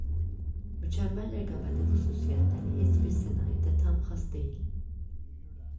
Mükəmməl rəqabətin xüsusiyyətləri heç bir sənayedə tam xas deyil.